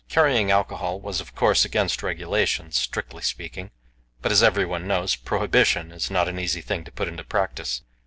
Carrying alcohol was, of course, against regulations, strictly speaking; but, as everyone knows, prohibition is not an easy thing to put into practice.